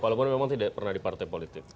walaupun memang tidak pernah di partai politik